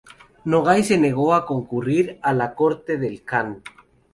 Nogai se negó a concurrir a la corte del kan.